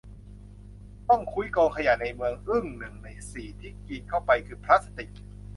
ต้องคุ้ยกองขยะในเมือง อึ้ง หนึ่ง ใน สี่ ที่กินเข้าไปคือพลาสติก